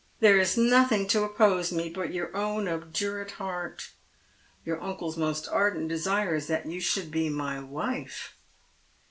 There is nothing to oppose me but your own obdurate heart. Your uncle's most ardent desire is that you should be my wife."